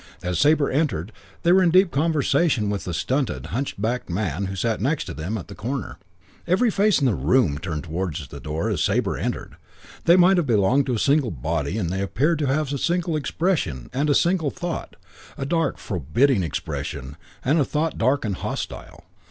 As Sabre entered they were in deep conversation with a stunted, hunchbacked man who sat next them at the corner. Every face in the room turned towards the door as Sabre entered. They might have belonged to a single body and they appeared to have a single expression and a single thought: a dark and forbidding expression and a thought dark and hostile.